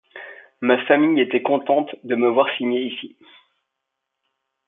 Ma famille était contente de me voir signer ici.